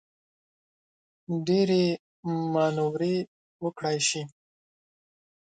ډېرې مانورې وکړای شي.